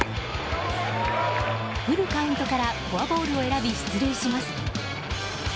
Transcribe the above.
フルカウントからフォアボールを選び出塁します。